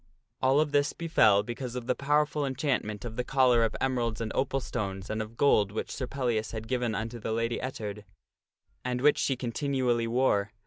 All of this befell because of the powerful enchantment of the collar oi emeralds and opal stones and of gold which Sir Pellias had given unto the Lady Ettard, and which she continually wore.